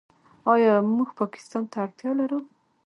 آیا موږ پاکستان ته اړتیا لرو؟